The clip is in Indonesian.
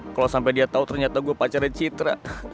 kalau sampai dia tahu ternyata gue pacarnya citra